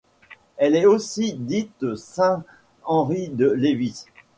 Elle est aussi dite Saint-Henri-de-Lévis.